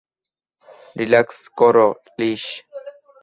Relax কর, লিস।